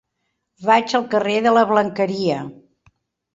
Vaig al carrer de la Blanqueria.